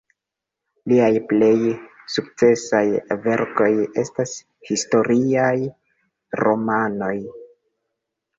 Liaj plej sukcesaj verkoj estas historiaj romanoj.